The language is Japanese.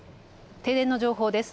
停電の情報です。